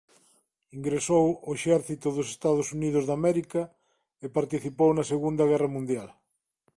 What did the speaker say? Ingresou o exército dos Estados Unidos de América e participou na Segunda Guerra Mundial.